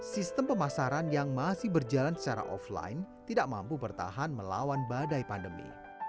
sistem pemasaran yang masih berjalan secara offline tidak mampu bertahan melawan badai pandemi